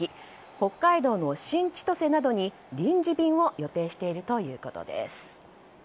北海道の新千歳などに臨時便を予定しているということです。